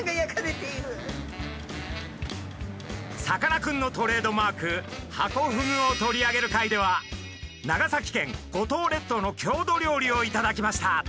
さかなクンのトレードマークハコフグを取り上げる回では長崎県五島列島の郷土料理を頂きました。